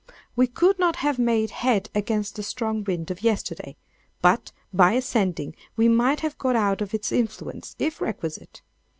We could not have made head against the strong wind of yesterday; but, by ascending, we might have got out of its influence, if requisite.